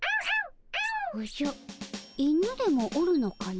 おじゃ犬でもおるのかの？